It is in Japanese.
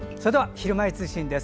「ひるまえ通信」です。